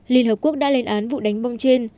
liên hợp quốc đã lên án vụ đánh bom trên